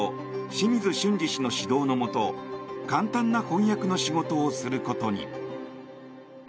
清水俊二氏の指導のもと簡単な翻訳の仕事をすることに。